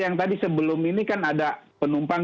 yang tadi sebelum ini kan ada penumpang